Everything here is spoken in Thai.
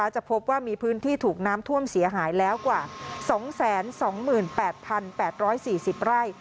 จะพบว่ามีพื้นที่ถูกน้ำท่วมเสียหายแล้วกว่า๒๒๘๘๔๐ไร่